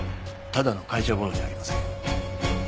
ただの会社ゴロじゃありません。